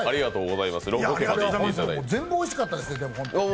全部おいしかったですね。